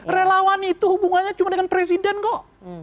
relawan itu hubungannya cuma dengan presiden kok